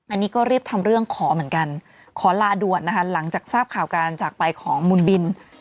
อันนี้ก็รีบทำเรื่องขอเหมือนกันขอลาด่วนนะคะหลังจากทราบข่าวการจากไปของมูลบิน